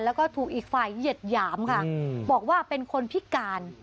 แล้วก็ถูกอีกฝ่ายเหยียดหยามค่ะบอกว่าเป็นคนพิการ